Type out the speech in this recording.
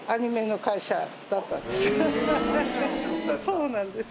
そうなんです。